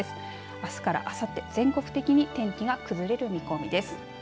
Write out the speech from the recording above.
あすからあさって全国的に天気が崩れる見込みです。